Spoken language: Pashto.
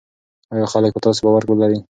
آیا خلک په تاسو باور لري؟